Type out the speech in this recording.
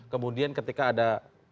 kemudian ketika ada